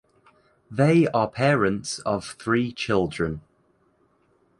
They are parents of three children.